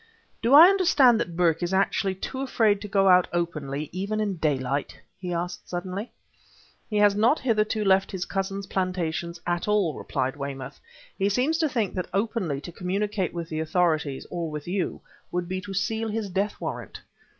"Do I understand that Burke is actually too afraid to go out openly even in daylight?" he asked suddenly. "He has not hitherto left his cousin's plantations at all," replied Weymouth. "He seems to think that openly to communicate with the authorities, or with you, would be to seal his death warrant."